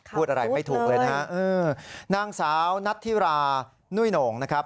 พูดอะไรไม่ถูกเลยนะฮะนางสาวนัทธิรานุ่ยโหน่งนะครับ